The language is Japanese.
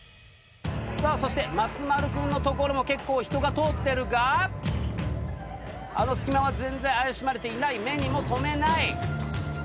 そして松丸君のところも結構人が通ってるがあの隙間は全然怪しまれていない目にも留めない。